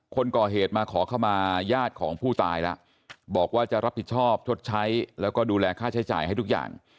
คนก่อเหตุมาขอเข้ามาญาติของผู้ตายแล้วบอกว่าจะรับผิดชอบชดใช้แล้วก็ดูแลค่าใช้จ่ายให้ทุกอย่าง